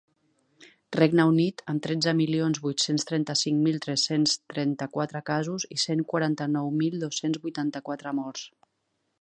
Regne Unit, amb tretze milions vuit-cents trenta-cinc mil tres-cents trenta-quatre casos i cent quaranta-nou mil dos-cents vuitanta-quatre morts.